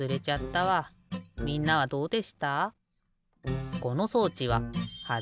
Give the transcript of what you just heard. みんなはどうでした？